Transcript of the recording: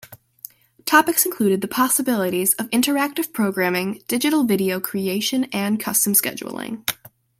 Topics included the possibilities of interactive programming, digital video creation and custom scheduling.